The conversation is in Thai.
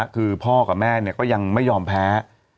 คือพ่อกับแม่ก็ยังไม่ยอมแพ้